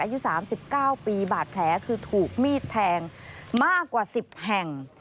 อายุ๓๙ปีบาดแผลคือถูกมีดแทงมากกว่า๑๐แห่ง